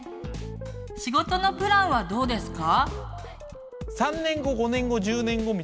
仕事のプランはどうですか？